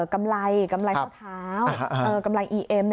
กำไรข้อเท้ากำไรอีเอ็ม